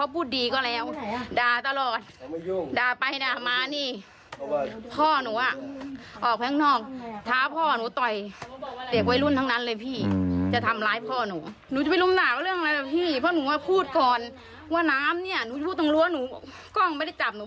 พูดตรงรั้วหนูกล้องไม่ได้จับหนู